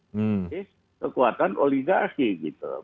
jadi kekuatan oligarki gitu